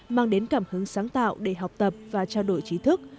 mang đến cảm hứng sáng tạo để học tập và trao đổi trí thức